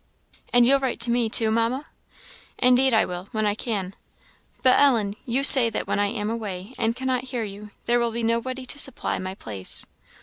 "And you'll write to me, too, Mamma?" "Indeed I will when I can. But, Ellen, you say that when I am away, and cannot hear you, there will be nobody to supply my place.